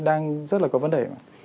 đang rất là có vấn đề